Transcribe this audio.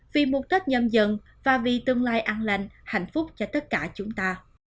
vì một tết nhân dân và vì tương lai an lành hạnh phúc cho tất cả chúng ta